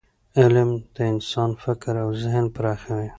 علم د انسان فکر او ذهن پراخوي.